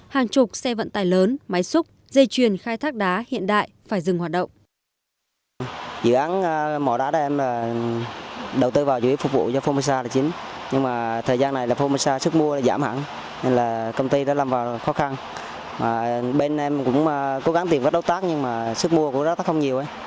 hàng chục xe vận tài lớn máy xúc dây chuyền khai thác đá hiện đại phải dừng hoạt động